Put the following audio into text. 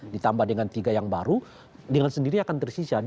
ditambah dengan tiga yang baru dengan sendiri akan tersisa